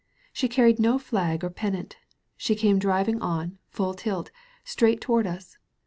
She carried no flag or pen nant. She came driving on, full tilt, straight to ward us.